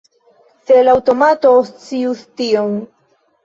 Se la aŭtomato scius tion!